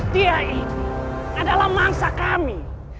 dia ini adalah mangsa kami